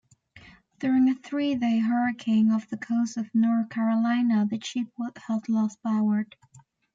During a three-day hurricane off the coast of North Carolina, the ship lost power.